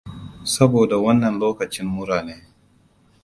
sabo da wannan lokacin mura ne